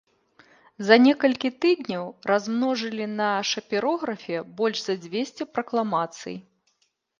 За некалькі тыдняў размножылі на шапірографе больш за дзвесце пракламацый.